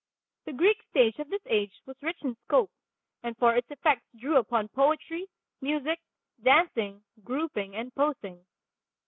The Greek stage of this age was rich in scope, and for its effects drew upon poetry, music, dancing, grouping and posing.